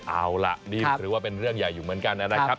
เอาล่ะนี่ถือว่าเป็นเรื่องใหญ่อยู่เหมือนกันนะครับ